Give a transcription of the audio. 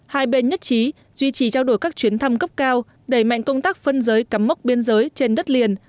hai bên nhất trí duy trì trao đổi các chuyến thăm cấp cao đẩy mạnh công tác phân giới cắm mốc biên giới trên đất liền